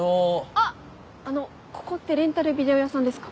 あのここってレンタルビデオ屋さんですか？